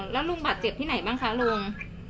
แล้วลุงบาดเจ็บที่ไหนบ้างคะลุง